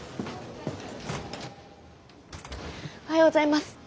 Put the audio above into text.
おはようございます。